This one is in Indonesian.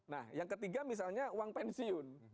nah yang ketiga misalnya uang pensiun